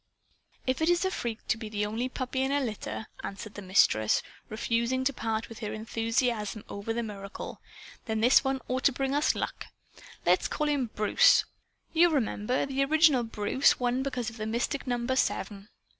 "If it's a freak to be the only puppy in a litter," answered the Mistress, refusing to part with her enthusiasm over the miracle, "then this one ought to bring us luck. Let's call him 'Bruce.' You remember, the original Bruce won because of the mystic number, seven.